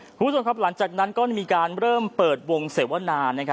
คุณผู้ชมครับหลังจากนั้นก็มีการเริ่มเปิดวงเสวนา